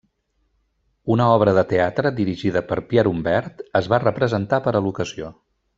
Una obra de teatre, dirigida per Pierre Humbert, es va representar per a l'ocasió.